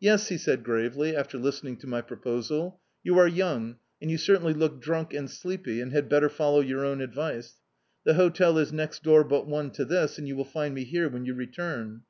"Yes," he said, gravely, after listening to my pro posal — "you are young, and you ccrt^nly look drunk and sleepy, and had better follow your own advice. The hotel is next door but one to this, and you will find me here when you return."